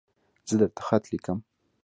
زه درته خط لیکم